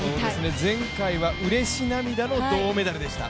前回はうれし涙の銅メダルでした。